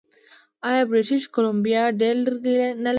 آیا بریټیش کولمبیا ډیر لرګي نلري؟